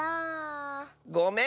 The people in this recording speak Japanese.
ごめん！